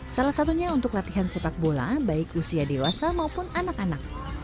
salah satunya untuk latihan sepak bola baik usia dewasa maupun anak anak